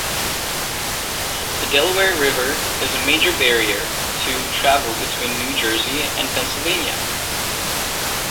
The Delaware River is a major barrier to travel between New Jersey and Pennsylvania.